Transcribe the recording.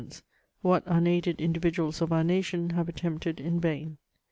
261 GoTemments, what unaided individaals of our nation have at tempted in vain.